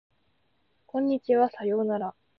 こんにちはさようなら